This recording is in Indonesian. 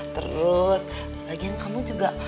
terus lagian kamu juga